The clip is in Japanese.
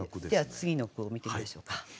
次の句を見てみましょうか。